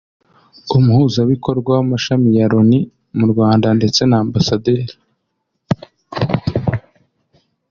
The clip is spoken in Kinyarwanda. umuhuzabikorwa w’amashami ya Loni mu Rwanda ndetse na Amb